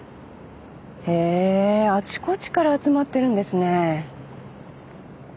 へえあちこちから集まってるんですね。